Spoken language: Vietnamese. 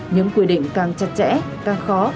những quy định càng chặt chẽ càng khó